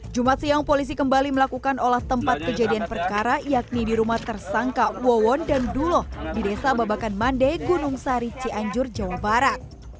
jumat siang polisi kembali melakukan olah tempat kejadian perkara yakni di rumah tersangka wawon dan duloh di desa babakan mande gunung sari cianjur jawa barat